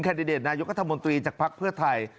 ดิเดตนายกัธมนตรีจากภักดิ์เพื่อไทย